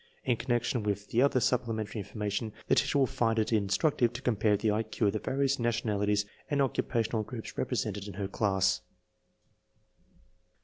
In connection with the other supplementary information the teacher will find it in structive to compare the I Q of the various nationali ties and occupational groups represented in her class.